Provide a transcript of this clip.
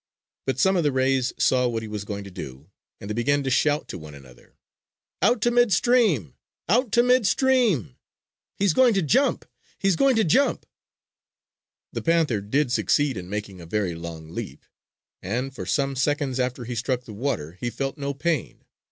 But some of the rays saw what he was going to do, and they began to shout to one another: "Out to mid stream! Out to mid stream! He's going to jump! He's going to jump!" The panther did succeed in making a very long leap, and for some seconds after he struck the water he felt no pain.